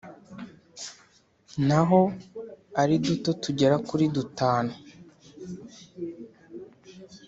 naho ari duto tugera kuri dutanu